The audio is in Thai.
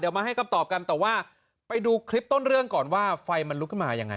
มาให้คำตอบกันแต่ว่าไปดูคลิปต้นเรื่องก่อนว่าไฟมันลุกขึ้นมายังไง